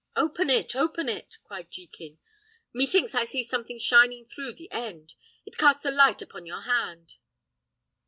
"Open it, open it!" cried Jekin; "methinks I see something shining through the end. It casts a light upon your hand."